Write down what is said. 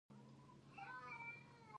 دوی به له سودخورو پیسې پورولې.